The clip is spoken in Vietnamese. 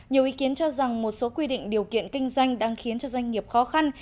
nhiều ý kiến cho rằng một số quy định điều kiện kinh doanh đang khiến cho doanh nghiệp khó khăn